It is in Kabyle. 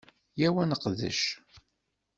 Yyaw ad neqdec!